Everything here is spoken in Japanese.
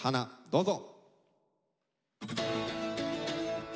どうぞ。